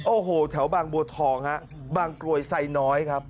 โอ้โหแถวบางบัวทองฮะบางกรวยไซน้อยครับ